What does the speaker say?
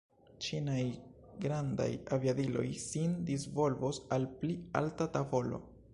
Ĉinaj grandaj aviadiloj sin disvolvos al pli alta tavolo.